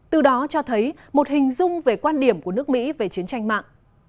từ đó cho thấy một hình dung về quan điểm của nước mỹ về chiến tranh mạng